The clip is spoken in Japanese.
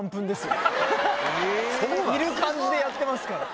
いる感じでやってますから。